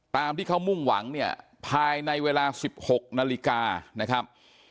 ตามที่เขามุ่งหวังเนี่ยภายในเวลา๑๖นาฬิกานะครับ